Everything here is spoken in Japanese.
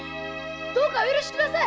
どうかお許しください！